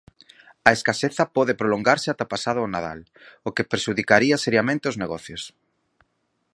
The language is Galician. A escaseza pode prolongarse ata pasado o Nadal, o que prexudicaría seriamente os negocios.